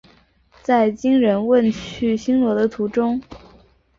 在金仁问去新罗的途中遇到前来道歉的新罗来使。